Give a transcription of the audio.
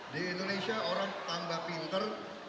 di indonesia orang tambah pinter